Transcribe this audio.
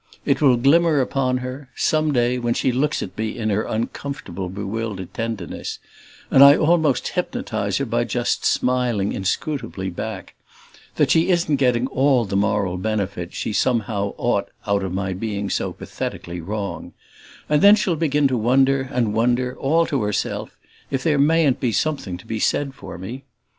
It will glimmer upon her some day when she looks at me in her uncomfortable bewildered tenderness, and I almost hypnotize her by just smiling inscrutably back that she isn't getting all the moral benefit she somehow ought out of my being so pathetically wrong; and then she'll begin to wonder and wonder, all to herself, if there mayn't be something to be said for me.